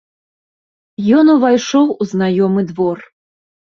Ён увайшоў у знаёмы двор.